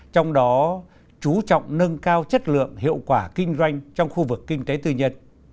trong đó chú trọng nâng cao chất lượng hiệu quả kinh doanh trong khu vực kinh tế tư nhân